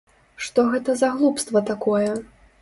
Што гэта за глупства такое?